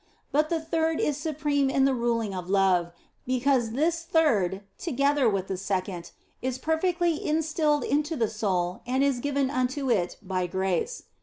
But the third is supreme in the ruling of love, because this third, together with the second, is perfectly instilled into the soul and is given unto it by grace.